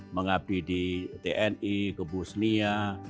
mengabdi di tni ke bosnia